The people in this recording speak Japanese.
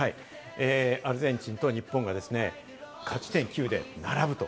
アルゼンチンと日本が勝ち点９で並ぶ。